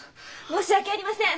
申し訳ありません！